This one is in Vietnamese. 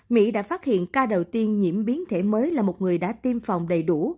mỹ đã phát hiện ca đầu tiên nhiễm biến thể mới là một người đã tiêm phòng đầy đủ